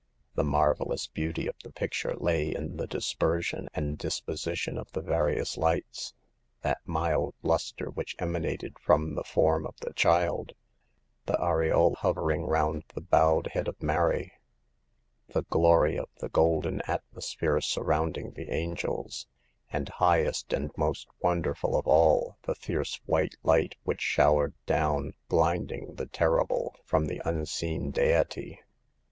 The marvel ous beauty of the picture lay in the dispersion and disposition of the various lights : that mild luster which emanated from the Form of the Child, the aureole hovering round the bowed head of Mary ; the glory of the golden atmos phere surrounding the angels ; and, highest and most wonderful of all, the fierce white light which showered down, blinding the terrible, from the unseen Deity.